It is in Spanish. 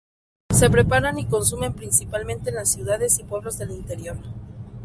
Se preparan y consumen principalmente en las ciudades y pueblos del interior.